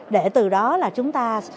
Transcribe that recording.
để từ đó là chúng ta